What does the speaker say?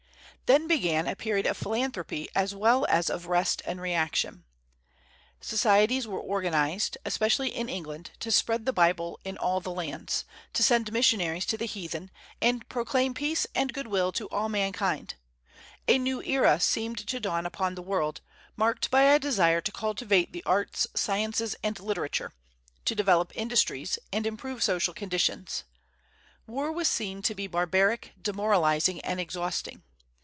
Then began a period of philanthropy as well as of rest and reaction. Societies were organized, especially in England, to spread the Bible in all lands, to send missionaries to the heathen, and proclaim peace and good will to all mankind, A new era seemed to dawn upon the world, marked by a desire to cultivate the arts, sciences, and literature; to develop industries, and improve social conditions. War was seen to be barbaric, demoralizing, and exhausting.